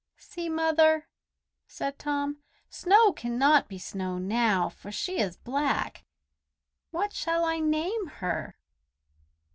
"See, Mother," said Tom: "Snow cannot be Snow now, for she is black. What shall I name her?"